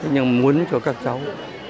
nhưng muốn cho các cháu